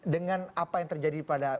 dengan apa yang terjadi pada